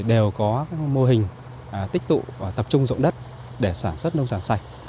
đều có mô hình tích tụ tập trung rộng đất để sản xuất nông sản sạch